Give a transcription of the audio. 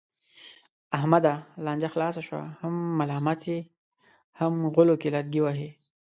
احمده! لانجه خلاصه شوه، هم ملامت یې هم غولو کې لرګی وهې.